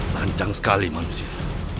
lanjang sekali manusia